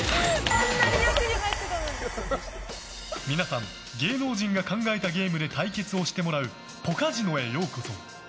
皆さん、芸能人が考えたゲームで対決してもらうポカジノへようこそ。